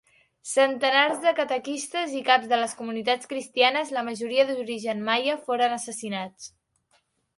Centenars de catequistes i caps de les comunitats cristianes, la majoria d'origen maia, foren assassinats.